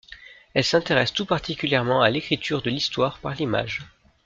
Elle s’intéresse tout particulièrement à l'écriture de l'histoire par l'image.